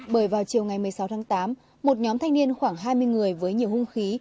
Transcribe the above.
bởi vào chiều ngày một mươi sáu tháng tám một nhóm thanh niên khoảng hai mươi người với nhiều hung khí